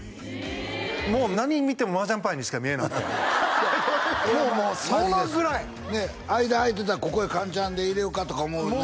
もう何見ても麻雀牌にしか見えなくてもうもうそのぐらい間空いてたらここへカンチャンで入れようかとか思うよね